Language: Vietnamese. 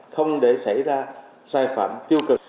không để xảy ra sai phạm tiêu cực